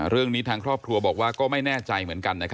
เรื่องนี้ทางครอบครัวบอกว่าก็ไม่แน่ใจเหมือนกัน